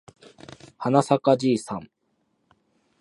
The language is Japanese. はなさかじいさん